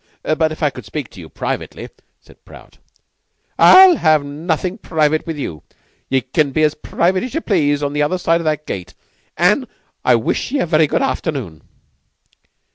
"But if I could speak to you privately," said Prout. "I'll have nothing private with you! Ye can be as private as ye please on the other side o' that gate an' I wish ye a very good afternoon."